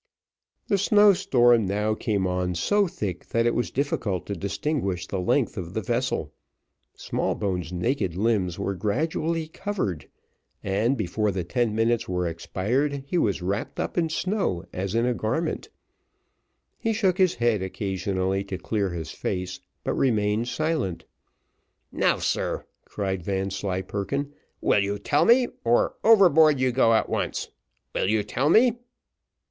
The snow storm now came on so thick that it was difficult to distinguish the length of the vessel. Smallbones' naked limbs were gradually covered, and, before the ten minutes were expired, he was wrapped up in snow as in a garment he shook his head occasionally to clear his face, but remained silent. "Now, sir," cried Vanslyperken, "will you tell me, or overboard you go at once? Will you tell me?"